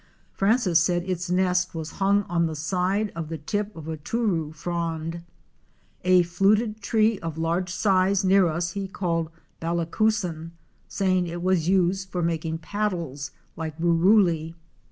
Francis said its nest was hung on the side of the tip of a tooroo frond. A fluted tree of large size near us he called ballicusan, saying it was used for making paddles like ruruli.